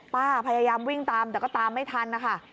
พยายามวิ่งตามแต่ก็ตามไม่ทันนะคะ